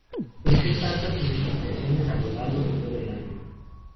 Presenta altas precipitaciones a lo largo de todo el año.